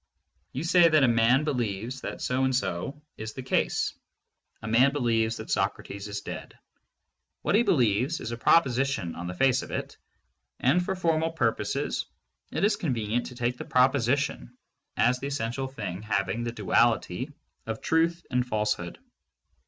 You say that a man be lieves that so and so is the case. A man believes that Soc rates is dead. What he believes is a proposition on the face of it, and for formal purposes it is convenient to take the proposition as the essential thing having the duality of truth and falsehood.